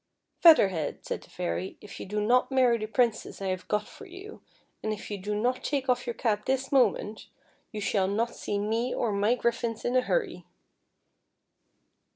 "Feather Head," said the Fairy, "if you do not marry the Princess I have got for you, and if }'ou do not take off your cap this moment, you shall not see me or my griffins in a hurr\'."